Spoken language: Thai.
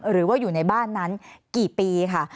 หรือว่าอยู่ในบ้านนั้นกี่ปีค่ะ